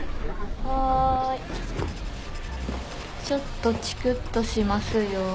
ちょっとチクっとしますよ。